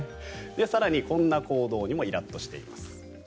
更にこんな行動にもイラッとしています。